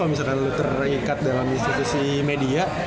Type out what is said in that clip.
kalo misalkan lu terikat dalam institusi media